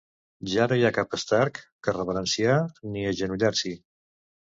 Ja no hi ha cap Stark que reverenciar ni agenollar-s'hi.